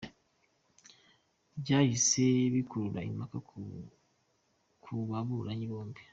Byahise bikurura impaka ku baburanyi bombi.